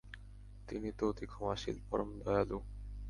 তিনি তো অতি ক্ষমাশীল, পরম দয়ালু।